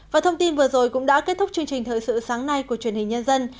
và thông tin vừa rồi cũng đã kết thúc chương trình thời sự sáng nay của truyền hình nhân dân